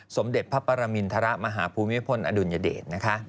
สมเด็จพระปรมินทรมาฮภูมิพลอดุลยเดชนะคะ